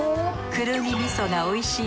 くるみ味噌がおいしい